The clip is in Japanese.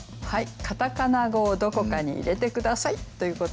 カタカナ語をどこかに入れて下さいということでお願いしました。